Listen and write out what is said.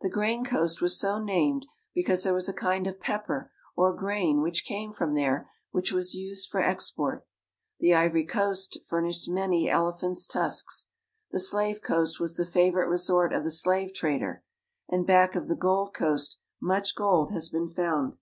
The Grain Coast was so named because there was a kind of pepper or grain which came from there which was used for ex port; the Ivory Coast furnished many elephants' tusks ; the Slave Coast was the favorite resort of the slave trader, and back of the Gold Coast much gold has been found.